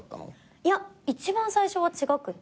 いや一番最初は違くて。